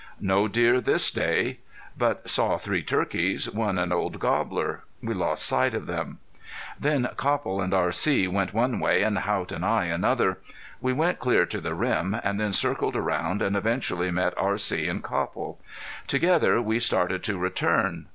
No deer this day! But saw three turkeys, one an old gobbler. We lost sight of them. Then Copple and R.C. went one way and Haught and I another. We went clear to the rim, and then circled around, and eventually met R.C. and Copple. Together we started to return.